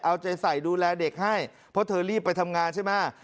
เอาใจใส่ดูแลเด็กให้เพราะเธอรีบไปทำงานใช่ไหม